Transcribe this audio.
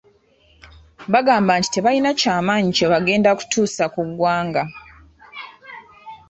Bagamba nti tebalina ky’amaanyi kye bagenda kutuusa ku ggwanga.